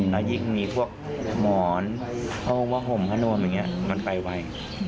และยิ่งมีพวกหมอนวะห่มขนวมอย่างนี้มันไปไว้